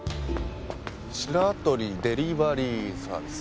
「シラトリ・デリバリーサービス」